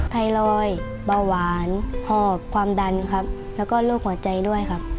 ไทรอยด์เบาหวานหอบความดันครับแล้วก็โรคหัวใจด้วยครับ